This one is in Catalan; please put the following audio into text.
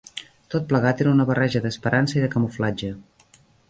Tot plegat era una barreja d'esperança i de camuflatge